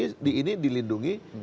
kok kalau si ini dilindungi